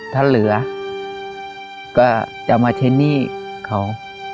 ถ้าเหลือก็จะมาใช้หนี้เขา